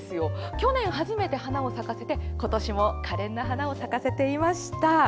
去年、初めて花を咲かせ今年も可憐な花を咲かせていました。